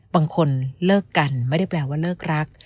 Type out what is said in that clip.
บางคนเลิกกันไม่ได้แปลว่าเลิกรัก